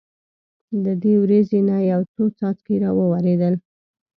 له دې وریځې نه یو څو څاڅکي را وورېدل.